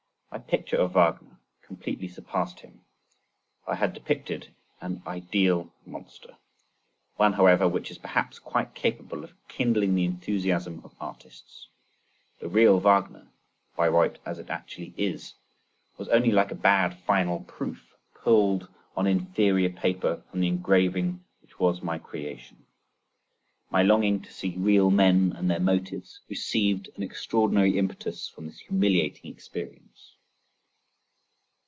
My picture of Wagner, completely surpassed him; I had depicted an ideal monster—one, however, which is perhaps quite capable of kindling the enthusiasm of artists. The real Wagner, Bayreuth as it actually is, was only like a bad, final proof, pulled on inferior paper from the engraving which was my creation. My longing to see real men and their motives, received an extraordinary impetus from this humiliating experience.